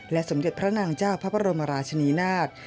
สมเด็จพระนางเจ้าพระบรมราชนีนาฏ